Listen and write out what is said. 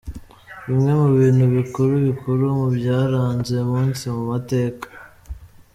Bimwe mu bintu bikuru bikuru mu byaranze uyu munsi mu mateka.